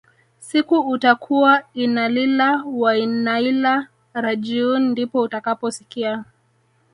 siku utakua innalillah wainnailah rajiuun ndipoo utakaposikia